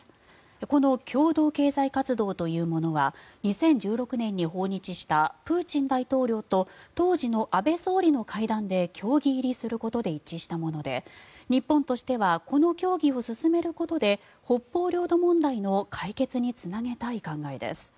この共同経済活動というものは２０１６年に訪日したプーチン大統領と当時の安倍前総理の会談で協議入りすることで一致したもので日本としてはこの協議を進めることで北方領土問題の解決につなげたい考えです。